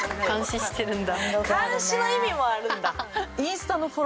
監視の意味もあるんだ。